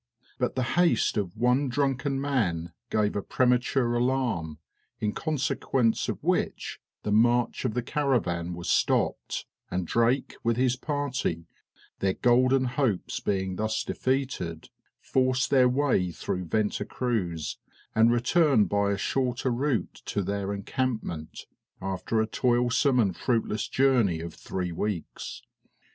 But the haste of one drunken man gave a premature alarm, in consequence of which the march of the caravan was stopped; and Drake with his party, their golden hopes being thus defeated, forced their way through Venta Cruz, and returned by a shorter route to their encampment, after a toilsome and fruitless journey of three weeks.